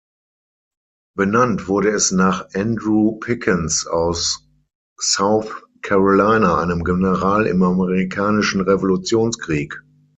Benannt wurde es nach Andrew Pickens aus South Carolina, einem General im amerikanischen Revolutionskrieg.